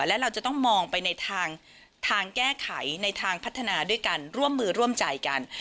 และเราจะต้องมองไปในทางแก้ไขในทางพัฒนาด้วยการร่วมมือร่วมใจกัน